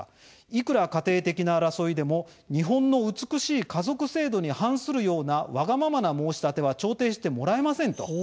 「いくら家庭的な争いでも日本の美しい家族制度に反するようなわがままな申し立ては調停してもらえません」と。